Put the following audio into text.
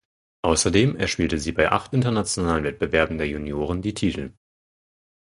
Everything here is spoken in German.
Außerdem erspielte sie bei acht internationalen Wettbewerben der Junioren die Titel.